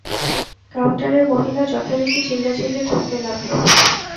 কাউন্টারের মহিলা যথারীতি চিল্লাচিল্লি করতে লাগলো।